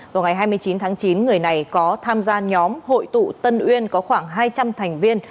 vào ngày hai mươi chín tháng chín người này có tham gia nhóm hội tụ tân uyên có khoảng hai trăm linh thành viên